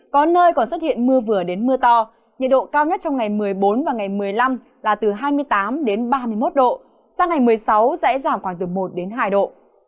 có nơi còn xuất hiện mưa vừa đến mưa to nhiệt độ cao nhất trong ngày một mươi bốn và ngày một mươi năm là từ hai mươi tám đến ba mươi một độ sang ngày một mươi sáu sẽ giảm khoảng từ một hai độ